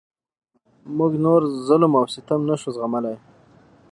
موږ نور ظلم او ستم نشو زغملای.